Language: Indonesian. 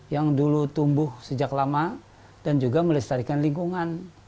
yang dulu tumbuh sejak lama dan juga melestarikan lingkungan